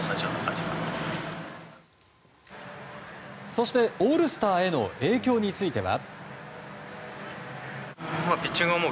そして、オールスターへの影響については。